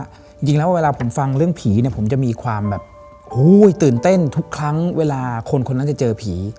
จริงแล้วเวลาผมฟังเรื่องผีเนี่ยผมจะมีความแบบตื่นเต้นทุกครั้งเวลาคนคนนั้นจะเจอผี